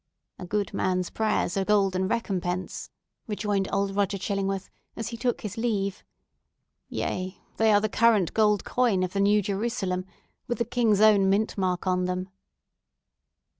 "A good man's prayers are golden recompense!" rejoined old Roger Chillingworth, as he took his leave. "Yea, they are the current gold coin of the New Jerusalem, with the King's own mint mark on them!"